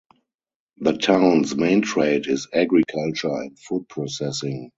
The town's main trade is agriculture and food processing.